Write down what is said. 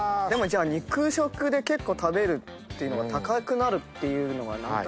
肉食で結構食べるっていうのが高くなるっていうのが。